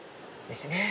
ですね。